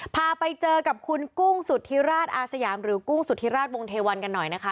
พาไปเจอกับคุณกุ้งสุธิราชอาสยามหรือกุ้งสุธิราชวงศวันกันหน่อยนะคะ